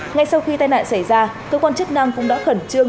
ngay sau khi tai nạn xảy ra cơ quan chức năng cũng đã khẩn trương